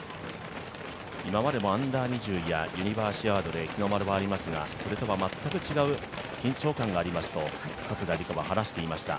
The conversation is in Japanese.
今までもＵ−２０やユニバーシアードで日の丸がありますが、それとは全く違う緊張感がありますと加世田梨花は話していました。